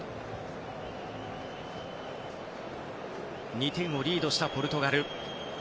２点をリードしたポルトガル。